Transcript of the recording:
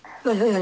何？